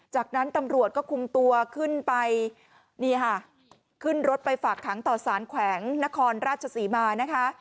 จากนั้นตำรวจก็คุมตัวขึ้นไปนี่ค่ะขึ้นรถไปฝากขังต่อสารแขวงนครราชศรีมานะคะ